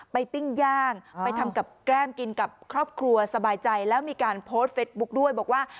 ปิ้งย่างไปทำกับแก้มกินกับครอบครัวสบายใจแล้วมีการโพสต์เฟสบุ๊คด้วยบอกว่า